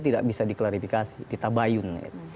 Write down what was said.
tidak bisa diklarifikasi ditabayun